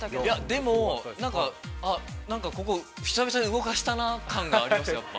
でも、なんか、ここ久々に動かしたな感がありますやっぱ。